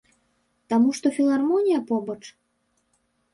Таму што філармонія побач?